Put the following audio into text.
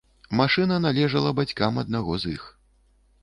Машына належала бацькам аднаго з іх.